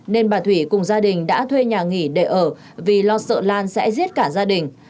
nên bà thủy cùng gia đình đã thuê nhà nghỉ để ở vì lo sợ lan sẽ giết cả gia đình